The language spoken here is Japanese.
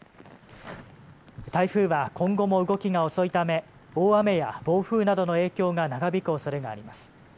台風は今後も動きが遅いため大雨や暴風などの影響が長引くおそれがあります。